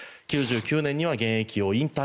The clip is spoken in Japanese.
９９年には現役引退